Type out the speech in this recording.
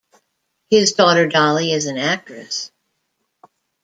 His daughter Dolly is an actress.